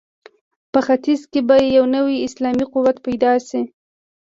په ختیځ کې به یو نوی اسلامي قوت پیدا شي.